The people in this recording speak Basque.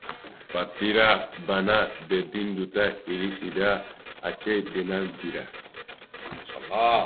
Partida bana berdinduta iritsi da atsedenaldira.